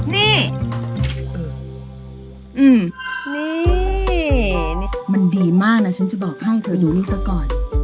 นี่นี่มันดีมากนะฉันจะบอกให้เธอดูให้ซะก่อน